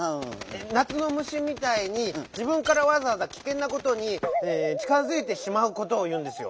なつのむしみたいに「じぶんからわざわざきけんなことにちかづいてしまう」ことをいうんですよ。